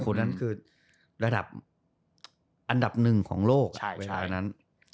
คนนั้นคือระดับอันดับหนึ่งของโลกเวลานั้น